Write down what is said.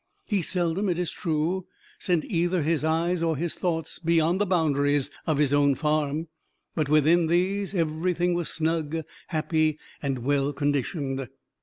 He seldom, it is true, sent either his eyes or his thoughts beyond the boundaries of his own farm; but within these, everything was snug, happy, and well conditioned.